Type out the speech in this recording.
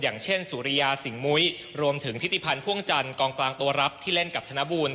อย่างเช่นสุริยาสิงหมุ้ยรวมถึงทิติพันธ์พ่วงจันทร์กองกลางตัวรับที่เล่นกับธนบูรณ